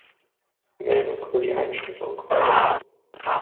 Meldung über die Einstellung